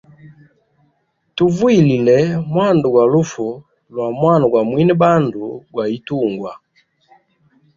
Tuvuyilile mwanda gwa lufu lwa mwana gwa mwine bandu gwa itungwa.